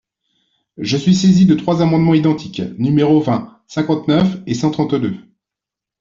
Je suis saisi de trois amendements identiques, numéros vingt, cinquante-neuf et cent trente-deux.